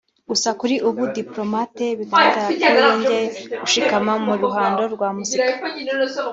Gusa kuri ubu Diplomate bigaragara ko yongeye gushikama mu ruhando rwa muzika